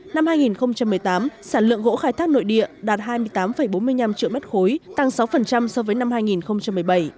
năm hai nghìn một mươi tám sản lượng gỗ khai thác nội địa đạt hai mươi tám bốn mươi năm triệu m ba tăng sáu so với năm hai nghìn một mươi bảy